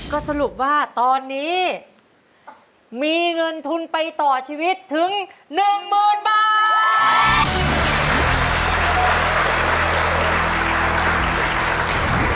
ก็สรุปว่าตอนนี้มีเงินทุนไปต่อชีวิตถึง๑๐๐๐บาท